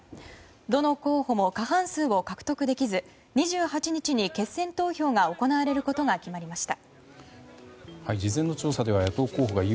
どの候補も過半数を獲得できず２８日に決選投票が行われることが決まりました。